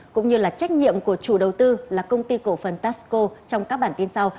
cũng như là trách nhiệm của chủ đầu tư là công ty cổ phần tasco trong các bản tin sau